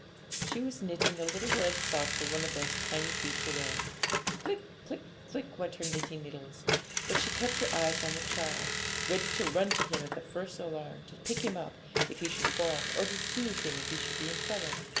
She was knitting a little red sock for one of those tiny feet to wear. Click! click! click! went her knitting needles; but she kept her eyes on the child, ready to run to him at the first alarm, to pick him up if he should fall, or to soothe him if he should be in trouble.